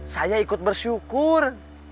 saya ikut bersyukur